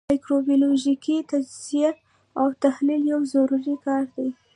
مایکروبیولوژیکي تجزیه او تحلیل یو ضروري کار دی.